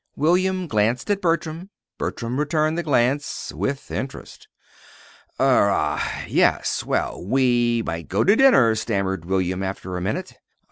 William glanced at Bertram; Bertram returned the glance with interest. "Er ah yes; well, we might go to dinner," stammered William, after a minute.